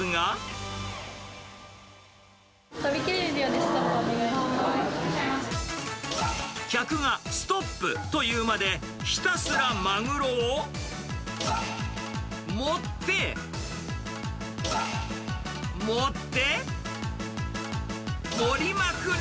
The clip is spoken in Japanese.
食べきれる量でストップお願客がストップと言うまで、ひたすらマグロを、盛って、盛って、盛りまくる。